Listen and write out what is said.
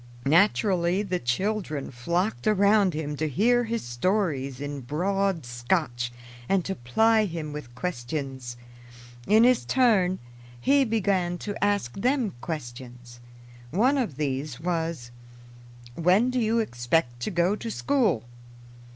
Naturally the children flocked around him to hear his stories in broad Scotch and to ply him with questions. In his turn, he began to ask them questions. One of these was, "When do you expect to go to school?"